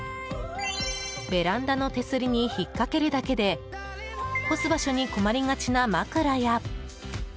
ベランダの手すりに引っ掛けるだけで干す場所に困りがちな枕や。